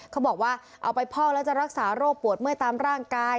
เขาบอกว่าเอาไปพอกแล้วจะรักษาโรคปวดเมื่อยตามร่างกาย